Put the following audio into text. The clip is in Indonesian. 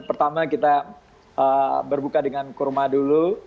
pertama kita berbuka dengan kurma dulu